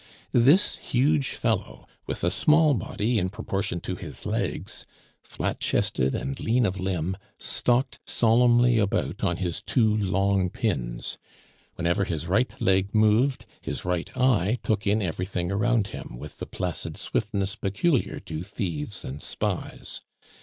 This huge fellow, with a small body in proportion to his legs, flat chested, and lean of limb, stalked solemnly about on his two long pins. Whenever his right leg moved, his right eye took in everything around him with the placid swiftness peculiar to thieves and spies.